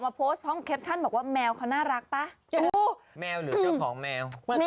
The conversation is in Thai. มาโพสต์เพราะบอกว่าแมวเขาน่ารักป่ะแมวหรือเจ้าของแมวนี่